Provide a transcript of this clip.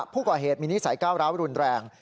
ผู้ก่อเหตุมีนิสัยก้าวร้าวรุนแรง